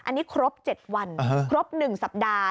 อันนี้ครบ๗วันครบ๑สัปดาห์